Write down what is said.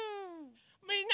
みんな。